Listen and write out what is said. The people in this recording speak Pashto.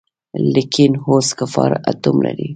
لکېن اوس کفار آټوم لري.